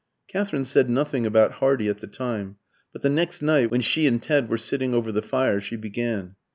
Katherine said nothing about Hardy at the time; but the next night, when she and Ted were sitting over the fire, she began.